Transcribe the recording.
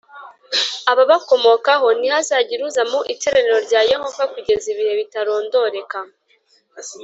ababakomokaho ntihazagire uza mu iteraniro rya Yehova kugeza ibihe bitarondoreka